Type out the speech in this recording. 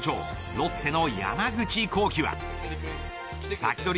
ロッテの山口航輝はサキドリ！